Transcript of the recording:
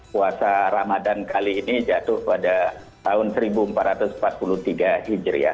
puasa ramadan kali ini jatuh pada tahun seribu empat ratus empat puluh tiga hijri ya